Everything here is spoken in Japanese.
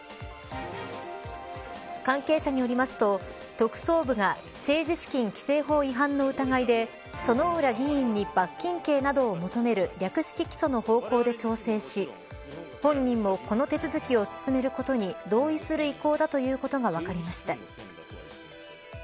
関係者によりますと特捜部が政治資金規正法違反の疑いで薗浦議員に罰金刑などを求める略式起訴の方向で調整し本人もこの手続きを進めることに同意する意向だということが分かりました。